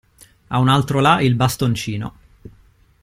A un altro là il bastoncino.